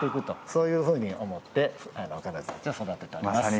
そういうふうに思って彼女たちを育てています。